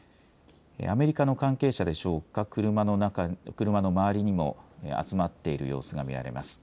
アメリカの関係者でしょうか、車の周りにも集まっている様子が見られます。